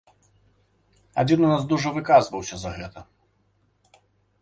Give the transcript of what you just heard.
Адзін у нас дужа выказваўся за гэта.